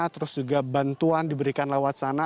terus juga bantuan diberikan lewat sana